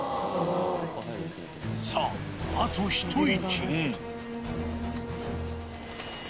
さあ、あと一息。